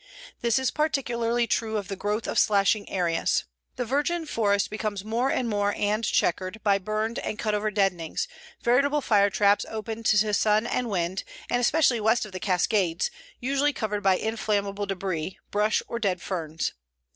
This is particularly true of the growth of slashing areas. The virgin forest becomes more and more and checkered by burned and cut over deadenings, veritable fire traps open to sun and wind, and, especially west of the Cascades, usually covered by inflammable debris, brush or dead ferns.